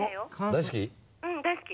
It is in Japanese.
大好き？